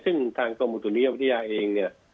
ซึ่งทางกรมอุตุนิยมวิทยาเองเนี่ย